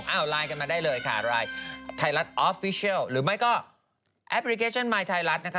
ไลน์กันมาได้เลยค่ะไลน์ไทยรัฐออฟฟิเชียลหรือไม่ก็แอปพลิเคชันมายไทยรัฐนะคะ